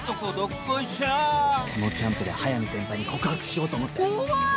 このキャンプで速見先輩に告白しようと思っている！